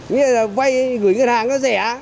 vậy là vay gửi ngân hàng nó rẻ